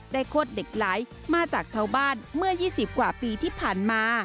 โคตรเหล็กไหลมาจากชาวบ้านเมื่อ๒๐กว่าปีที่ผ่านมา